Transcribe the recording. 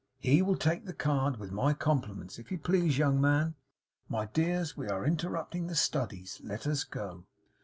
HE will take the card. With my compliments, if you please, young man. My dears, we are interrupting the studies. Let us go.